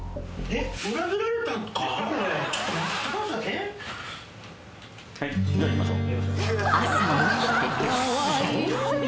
えっ？じゃあいきましょう。